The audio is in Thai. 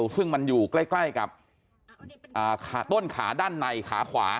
ซึ่งมันอยู่ใกล้กับต้นขาด้านในขาขวา